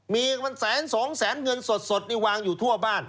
มีเงินแสนสองแสนเงินสดนี่วางอยู่ทั่วบ้าน